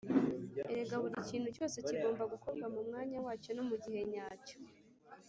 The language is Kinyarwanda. erega burikintu cyose kigomba gukorwa mu mwanya wacyo no mugihe nyacyo